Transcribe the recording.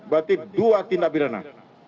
berarti dua tindak bidana